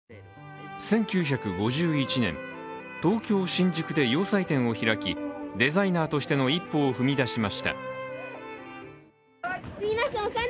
１９５１年、東京・新宿で洋裁店を開きデザイナーとしての一歩を踏み出しました。